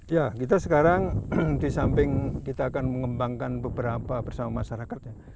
ya kita sekarang di samping kita akan mengembangkan beberapa bersama masyarakatnya